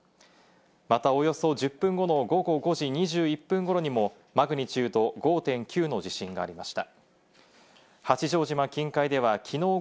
また、およそ１０分後の午後５時２１分頃にもマグニチュード５．９の地震がありました。